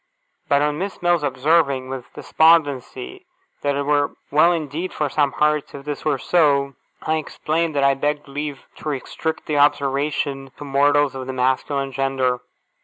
But on Miss Mills observing, with despondency, that it were well indeed for some hearts if this were so, I explained that I begged leave to restrict the observation to mortals of the masculine gender.